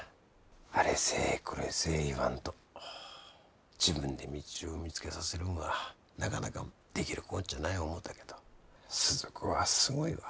あれせえこれせえ言わんと自分で道を見つけさせるんはなかなかできるこっちゃない思うたけど鈴子はすごいわ。